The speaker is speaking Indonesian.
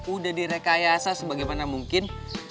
udah direkayasa sebagaimana mungkin